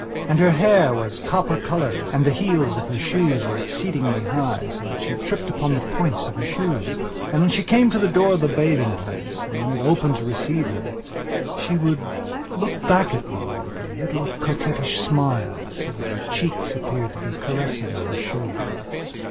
And her hair was copper coloured, and the heels of her shoes were exceedingly high, so that she tripped upon the points of her toes. And when she came to the door of the bathing place, and when it opened to receive her, she would look back at me with a little coquettish smile, so that her cheek appeared to be caressing her shoulder.